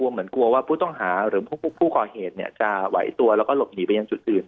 เหมือนกลัวว่าผู้ต้องหาหรือผู้ก่อเหตุจะไหวตัวแล้วก็หลบหนีไปยังจุดอื่น